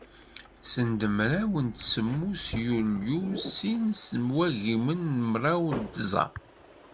Send mraw d semmus yulyu sin n wagimen d mraw d tẓa.